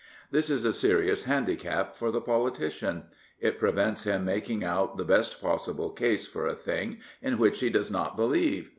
This is a serious handicap for the politician. It prevents him making out the best possible case for a thing in which he does not believe.